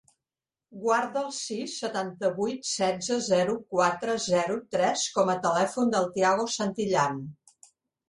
Guarda el sis, setanta-vuit, setze, zero, quatre, zero, tres com a telèfon del Tiago Santillan.